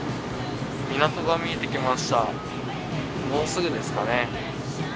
もうすぐですかね。